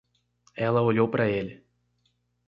Ela olhou para ele.